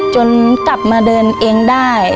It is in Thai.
จนกลับมาเดินเองได้